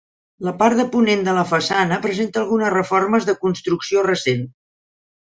La part de ponent de la façana presenta algunes reformes de construcció recent.